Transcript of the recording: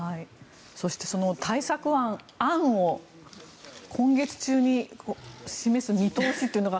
そしてその対策案を今月中に示す見通しというのが。